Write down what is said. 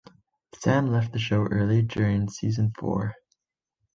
Sam left the show early during season four.